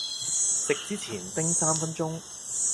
食之前叮三分鐘